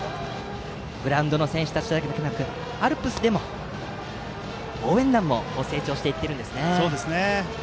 グラウンドの選手たちだけでなくアルプスでの応援団も成長していっています。